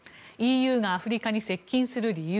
ＥＵがアフリカに接近する理由。